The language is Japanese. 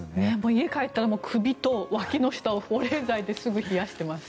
家に帰ったら首と、わきの下を保冷剤ですぐ冷やしてます。